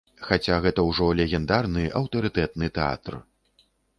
Хаця гэта ўжо легендарны, аўтарытэтны тэатр.